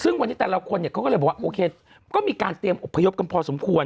ซึ่งวันนี้แต่ละคนเขาก็เลยบอกว่าโอเคก็มีการเตรียมอบพยพกันพอสมควร